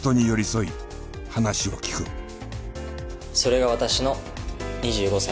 それが私の２５歳。